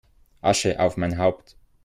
Asche auf mein Haupt!